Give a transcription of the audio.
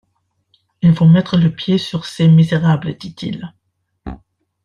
Il faut mettre le pied sur ces misérables, dit-il.